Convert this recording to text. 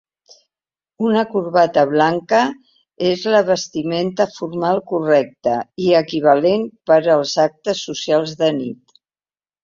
Una corbata blanca és la vestimenta formal correcta i equivalent per els actes socials de nit.